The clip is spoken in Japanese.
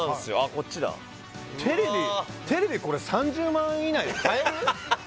こっちだわあテレビ３０万以内で買える？